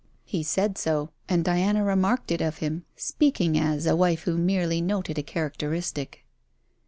He said so, and Diana remarked it of him, speaking as, a wife who merely noted a characteristic.